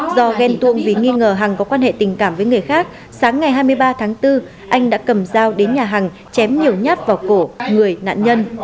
do ghen tuông vì nghi ngờ hằng có quan hệ tình cảm với người khác sáng ngày hai mươi ba tháng bốn anh đã cầm dao đến nhà hàng chém nhiều nhát vào cổ người nạn nhân